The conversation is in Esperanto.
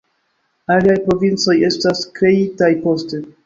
Aliaj provincoj estas kreitaj poste.